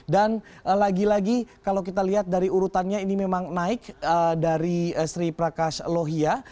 dan lagi lagi kalau kita lihat dari urutannya ini memang naik dari sri prakash lohia